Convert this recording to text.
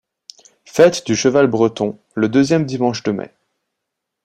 Fête du cheval breton le deuxième dimanche de mai.